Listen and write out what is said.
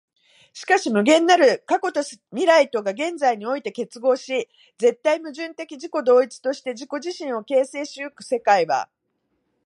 しかし無限なる過去と未来とが現在において結合し、絶対矛盾的自己同一として自己自身を形成し行く世界は、